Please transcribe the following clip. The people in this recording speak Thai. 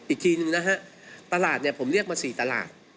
อีกทีหนึ่งตลาดผมเรียกมา๔ตลาด